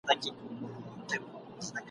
هيڅ پروا زما په مينه